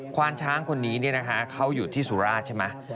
ควานช้างคนนี้เขาอยู่ที่สุราชใช่ไหม